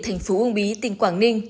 tp uông bí tỉnh quảng ninh